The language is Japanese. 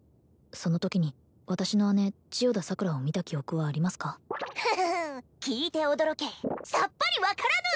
そのときに私の姉千代田桜を見た記憶はありますかフフフ聞いて驚けさっぱり分からぬ！